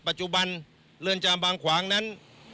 ปัจจุบันเรือนจำบางขวางนั้น